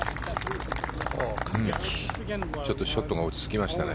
ちょっとショットが落ち着きましたね。